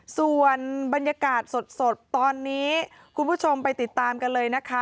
ส่วนบรรยากาศสดตอนนี้คุณผู้ชมไปติดตามกันเลยนะคะ